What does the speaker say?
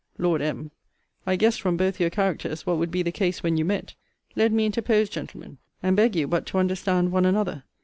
Lord M. I guessed, from both your characters, what would be the case when you met. Let me interpose, gentlemen, and beg you but to understand one another.